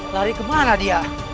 rayun kemana dia